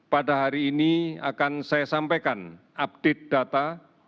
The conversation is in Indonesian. pada hari ini akan saya sampaikan update data